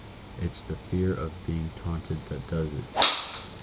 It's the fear of being taunted that does it."